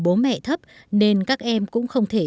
bố mẹ thấp nên các em cũng không thể